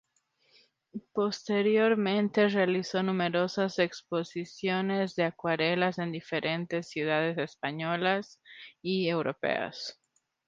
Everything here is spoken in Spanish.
Posteriormente realizó numerosas exposiciones de acuarelas en diferentes ciudades españolas y europeas.